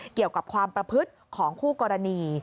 เกี่ยวกับความประพฤติของคู่กรณี